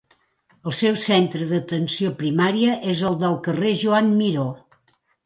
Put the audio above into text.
El seu centre d'atenció primària és el del carrer Joan Miró.